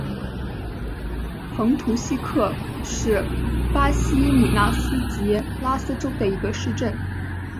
蓬图希克是巴西米纳斯吉拉斯州的一个市镇。